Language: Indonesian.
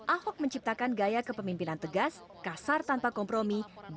ahok menciptakan gaya kepemimpinan tegas kasar tanpa kompromi